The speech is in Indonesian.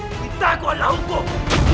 kita ku adalah hukum